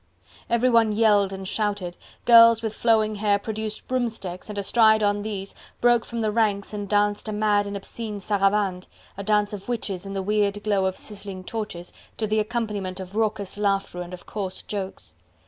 Everyone yelled and shouted. Girls with flowing hair produced broomsticks, and astride on these, broke from the ranks and danced a mad and obscene saraband, a dance of witches in the weird glow of sizzling torches, to the accompaniment of raucous laughter and of coarse jokes.